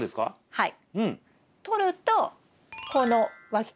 はい。